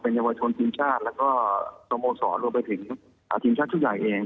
เป็นยาวชนทีมชาติแล้วก็โทโมสอนรับไปถึงทีมชาติทุกใหญ่เอง